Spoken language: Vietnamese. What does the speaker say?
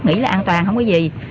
cũng nghĩ là an toàn không có gì